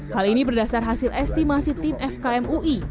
hal ini berdasar hasil estimasi tim fkm ui